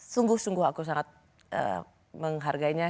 sungguh sungguh aku sangat menghargainya